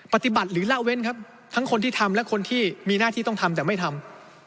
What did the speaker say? ปฏิบัติหรือละเว้นครับทั้งคนที่ทำและคนที่มีหน้าที่ต้องทำแต่ไม่ทำ